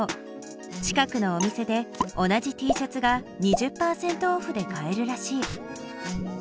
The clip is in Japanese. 近くのお店で同じＴシャツが２０％オフで買えるらしい。